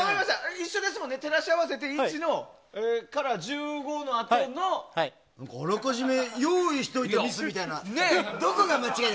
一緒ですもんね、照らし合わせて１５のあとの。あらかじめ用意していたミスみたいな。